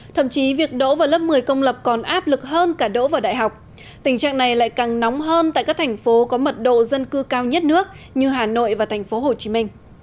thậm chí việc đỗ vào lớp một mươi công lập còn áp lực hơn cả đỗ vào đại học tình trạng này lại càng nóng hơn tại các thành phố có mật độ dân cư cao nhất nước như hà nội và tp hcm